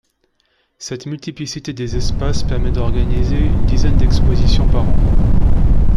Cette multiplicité des espaces permet d'organiser une dizaine d'expositions par an.